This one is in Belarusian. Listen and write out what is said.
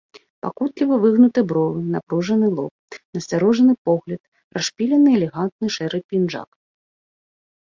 Пакутліва выгнуты бровы, напружаны лоб, насцярожаны погляд, расшпілены элегантны шэры пінжак.